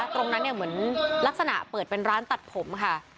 ตรงนั้นเนี่ยเหมือนลักษณะเปิดเป็นร้านตัดผมค่ะ